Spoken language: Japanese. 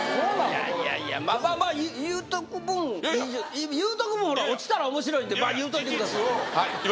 いやいやいやまあまあまあ言うとく分いやいや言うとく分ほら落ちたら面白いんでまあ言うといてください